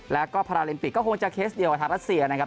แล้วก็พาราลิมปิกก็คงจะเคสเดียวกับทางรัสเซียนะครับ